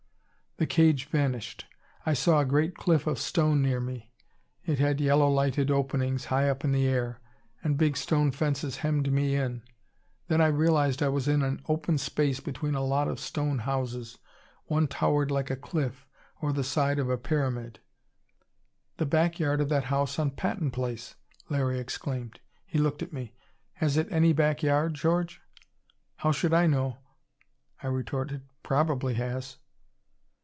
"The cage vanished. I saw a great cliff of stone near me; it had yellow lighted openings, high up in the air. And big stone fences hemmed me in. Then I realized I was in an open space between a lot of stone houses. One towered like a cliff, or the side of a pyramid " "The back yard of that house on Patton Place!" Larry exclaimed. He looked at me. "Has it any back yard, George?" "How should I know?" I retorted. "Probably has."